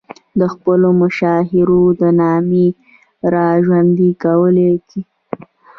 د خپلو مشاهیرو د نامې را ژوندي کولو کې.